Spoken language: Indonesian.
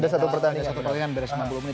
ada satu pertandingan berarti lima puluh menit